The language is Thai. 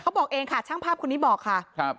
บอกเองค่ะช่างภาพคนนี้บอกค่ะครับ